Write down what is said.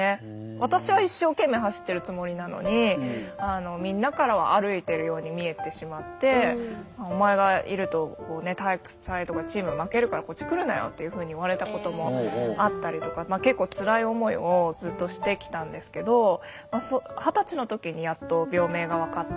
私は一生懸命走ってるつもりなのにみんなからは歩いてるように見えてしまって「お前がいると体育祭とかチームが負けるからこっち来るなよ」っていうふうに言われたこともあったりとかまあ結構つらい思いをずっとしてきたんですけど二十歳の時にやっと病名が分かって。